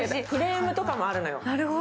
フレームとかもあるのよ。